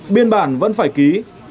biên bản vẫn phải ký